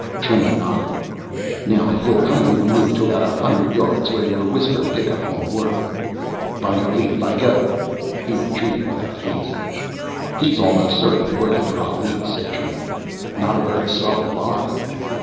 Trimmer nodded. "Now, if you'll kindly remove to about a hundred yards, where your whisper pick up won't work." "By your leave, I go." He retreated without haste. "He's almost certainly working for Ali," said Trimmer. "Not a very subtle lie."